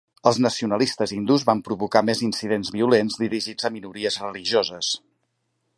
Els nacionalistes hindús van provocar més incidents violents dirigits a minories religioses.